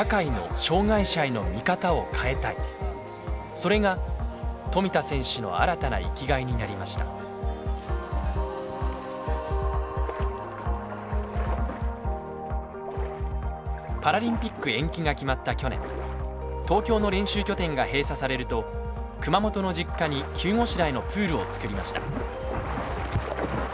それが富田選手の新たな生きがいになりましたパラリンピック延期が決まった去年東京の練習拠点が閉鎖されると熊本の実家に急ごしらえのプールを作りました。